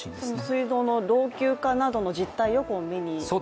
水道の老朽化などの実態を目にしてと？